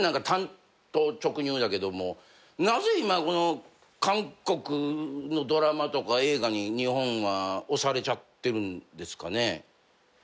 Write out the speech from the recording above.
単刀直入だけどもなぜ今韓国のドラマとか映画に日本は押されちゃってるんですかね？